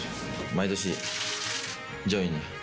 毎年、上位に。